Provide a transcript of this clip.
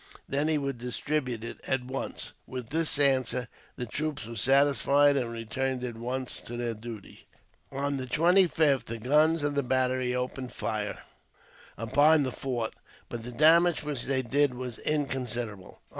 Then he would distribute it, at once. With this answer the troops were satisfied, and returned at once to their duty. On the 25th, the guns of the battery opened fire upon the fort, but the damage which they did was inconsiderable.